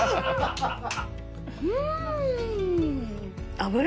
うん！